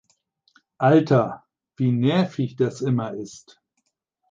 Alter, wie nervig das immer ist!